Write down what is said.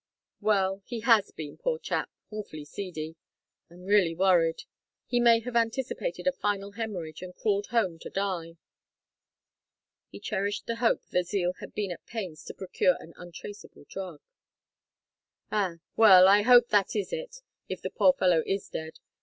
"Well, he has been, poor chap awfully seedy I am really worried. He may have anticipated a final hemorrhage, and crawled home to die." He cherished the hope that Zeal had been at pains to procure an untraceable drug. "Ah! Well I hope that is it if the poor fellow is dead.